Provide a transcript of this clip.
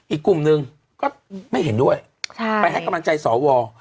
อีกกลุ่มหนึ่งก็ไม่เห็นด้วยไปให้กำลังใจสว